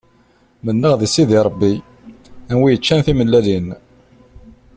Mennaɣ di Sidi Ṛebbi, a wi yeččan timellalin.